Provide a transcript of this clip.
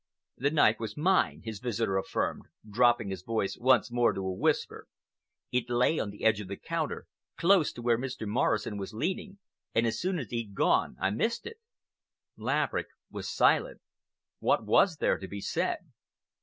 "The knife was mine," his visitor affirmed, dropping his voice once more to a whisper. "It lay on the edge of the counter, close to where Mr. Morrison was leaning, and as soon as he'd gone I missed it." Laverick was silent. What was there to be said?